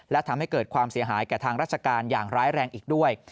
และทำให้เกิดความเสียหายแก่ทางราชการอย่างร้ายแรงอีกด้วย